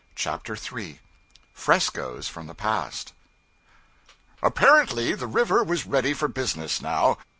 CHAPTER 3 Frescoes from the Past APPARENTLY the river was ready for business, now.